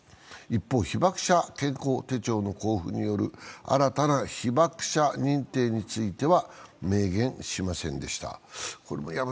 一方、被爆者健康手帳の交付による新たな被爆者認定については明言しませんでした。